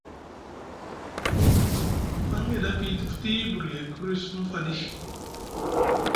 Paŋ e ɗa piyiti futi buri e kûri suŋfaɗi᷆.